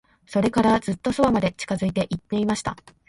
それから、ずっと側まで近づいて行ってみました。